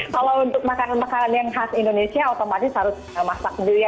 kalau untuk makanan makanan yang khas indonesia otomatis harus masak dulu ya